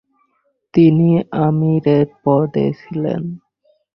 তিনি আমিরের পদে ছিলেন।